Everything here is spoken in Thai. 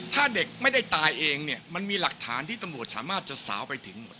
ถ้าเด็กไม่ได้ตายเองเนี่ยมันมีหลักฐานที่ตำรวจสามารถจะสาวไปถึงหมด